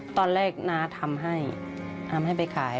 ตอนแรกน้าทำให้ทำให้ไปขาย